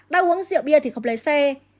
đang uống rượu bia thì không lấy xe